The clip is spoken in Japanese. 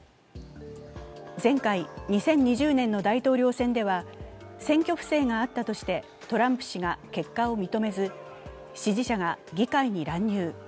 前回２０２０年の大統領選では、選挙不正があったとしてトランプ氏が結果を認めず支持者が議会に乱入。